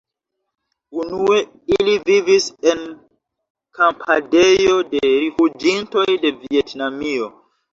Unue ili vivis en kampadejo de rifuĝintoj de Vjetnamio.